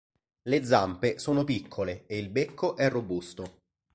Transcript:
Le zampe sono piccole e il becco è robusto.